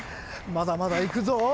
まだまだいくぞ！